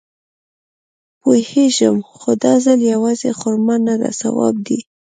پوېېږم خو دا ځل يوازې خرما نده ثواب دی.